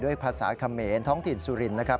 ด้วยภาษาเขมรท้องถิ่นสุรินนะครับ